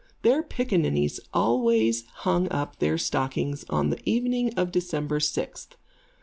Their pickaninnies always hung up their stockings on the evening of December sixth.